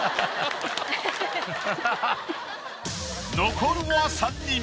残るは３人。